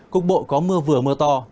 cục bộ có mưa vừa mưa to